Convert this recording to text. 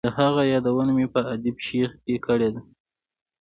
د هغه یادونه مې په ادیب شیخ کې کړې ده.